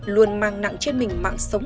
luôn mang nặng trên mình mạng sống